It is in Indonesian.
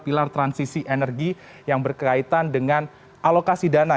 pilar transisi energi yang berkaitan dengan alokasi dana